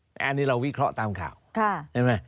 แต่อันนี้เราวิเคราะห์ตามข่าวเห็นไหม